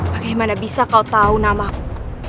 bagaimana bisa kau tahu namaku